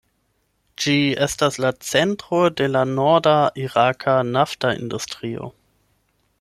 Ĝi estas la centro de la norda iraka nafta industrio.